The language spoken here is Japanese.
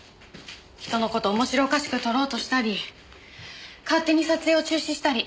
人の事面白おかしく撮ろうとしたり勝手に撮影を中止したり。